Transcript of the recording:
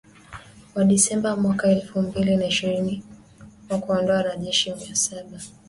wa Disemba mwaka elfu mbili na ishirini wa kuwaondoa wanajeshi mia saba